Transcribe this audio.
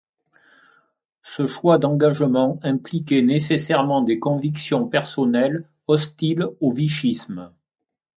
Ce choix d’engagement impliquait nécessairement des convictions personnelles hostiles au vichysme.